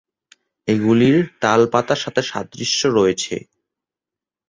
এগুলির তাল পাতার সাথে সাদৃশ্য রয়েছে।